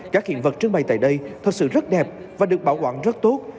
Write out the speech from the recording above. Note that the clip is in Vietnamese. các hiện vật trưng bày tại đây thật sự rất đẹp và được bảo quản rất tốt